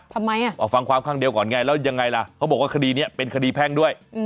ทำไมอ่ะเอาฟังความข้างเดียวก่อนไงแล้วยังไงล่ะเขาบอกว่าคดีนี้เป็นคดีแพ่งด้วย